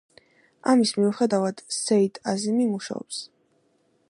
ამის მიუხედავად, სეიდ აზიმი მუშაობს.